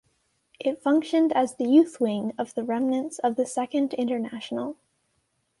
It functioned as the youth wing of the remnants of the Second International.